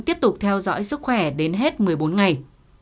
tiếp tục theo dõi sức khỏe đến hết một mươi bốn ngày